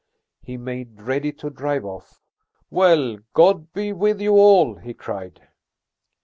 He made ready to drive off. "Well, God be with you all!" he cried.